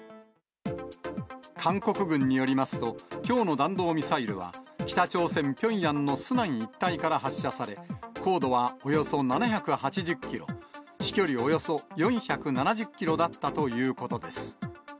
韓国軍によりますと、きょうの弾道ミサイルは、北朝鮮・ピョンヤンのスナン一帯から発射され、高度はおよそ７８０キロ、飛距離およそ４７０キロだったということです。